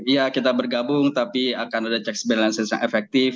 ya kita bergabung tapi akan ada checks balances yang efektif